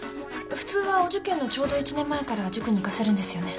普通はお受験のちょうど１年前から塾に行かせるんですよね？